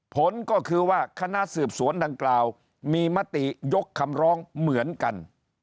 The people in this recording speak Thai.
ผลก็คือว่าคณะสืบสวนดังกล่าวมีมติยกคำร้องเหมือนกัน